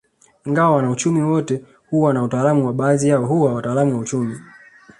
Ingawa wanauchumi wote huwa na utaalamu na baadhi yao huwa wataalamu wa uchumi